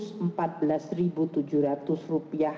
dengan kurs rp empat belas tujuh ratus